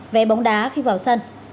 vé bóng đá khi vào sân